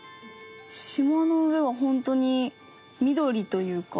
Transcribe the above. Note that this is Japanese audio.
島の上は本当に緑というか。